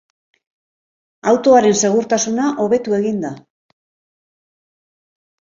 Autoaren segurtasuna hobetu egin da.